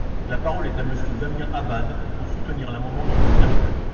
La parole est à Monsieur Damien Abad, pour soutenir l’amendement numéro quatre.